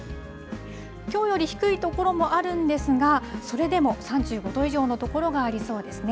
きょうより低いところもあるんですがそれでも３５度以上のところがありそうですね。